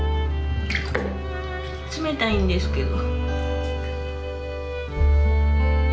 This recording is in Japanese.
冷たいんですけど。